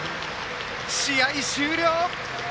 試合終了。